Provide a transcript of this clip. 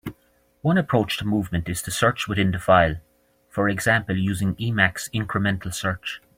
One approach to movement is to search within the file, for example using Emacs incremental search.